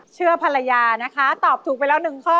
เชื่อภรรยานะคะตอบถูกไปแล้วหนึ่งข้อ